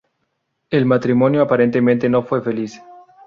El matrimonio aparentemente no fue feliz.